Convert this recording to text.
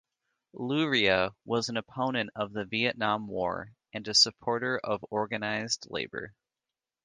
Luria was an opponent of the Vietnam War and a supporter of organized labor.